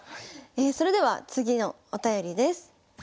それでは次のお便りです。